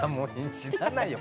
知らないよ！